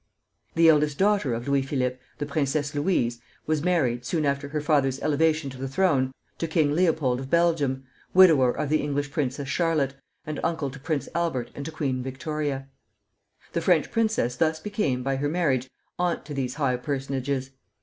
The eldest daughter of Louis Philippe, the Princess Louise, was married, soon after her father's elevation to the throne, to King Leopold of Belgium, widower of the English Princess Charlotte, and uncle to Prince Albert and to Queen Victoria. The French princess thus became, by her marriage, aunt to these high personages.